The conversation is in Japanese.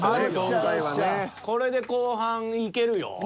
これで後半いけるよ。